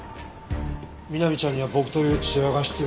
美波ちゃんには僕という父親が必要だ。